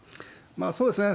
そうですね。